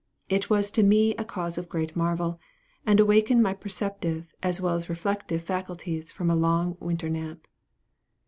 It was to me a cause of great marvel, and awakened my perceptive as well as reflective faculties from a long winter nap.